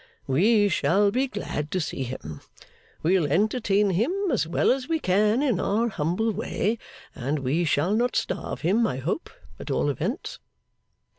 We shall be glad to see him. We'll entertain him as well as we can, in our humble way; and we shall not starve him, I hope, at all events.